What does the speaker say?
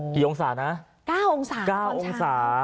พี่องศานะ๙องศา